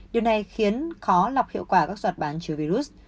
điều này khiến khó lọc hiệu quả các giọt bán chứa virus